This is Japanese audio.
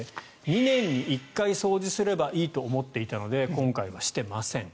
２年に１回掃除すればいいと思っていたので今回はしていません。